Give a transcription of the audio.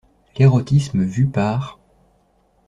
L'Érotisme vu par...